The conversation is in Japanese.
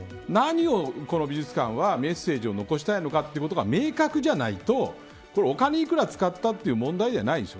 この美術館は何をメッセージを残したいのかということが明確じゃないとお金をいくら使ったという問題ではないです。